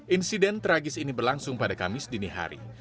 insiden tragis ini berlangsung pada kamis dini hari